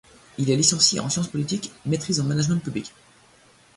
Il est licencié en sciences politiques; maîtrise en management public.